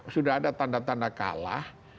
sudah ada tanda tanda kalah